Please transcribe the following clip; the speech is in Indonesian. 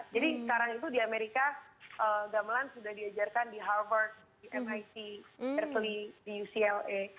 sekarang itu di amerika gamelan sudah diajarkan di harvard di mic berkely di ucla